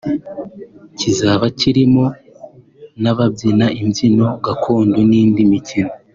kizaba kirimo n’ababyina imbyino gakondo n’indi mikino